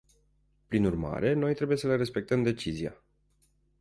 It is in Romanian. Prin urmare, noi trebuie să le respectăm decizia.